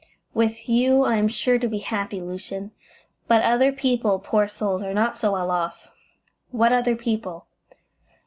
"With you I am sure to be happy, Lucian, but other people, poor souls, are not so well off." "What other people?"